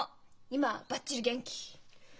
今はばっちり元気！